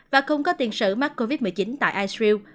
và không có tiền sử mắc covid một mươi chín tại id